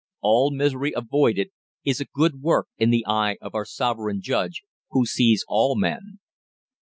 All misery avoided is a good work in the eye of our Sovereign Judge, who sees all men.